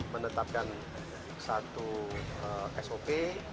menetapkan satu sop